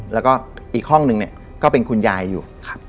แล้วก็อีกห้องนึงเนี่ยก็เป็นคุณยายอยู่